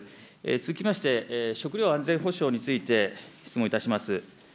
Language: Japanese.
続きまして、食料安全保障について、質問いたします。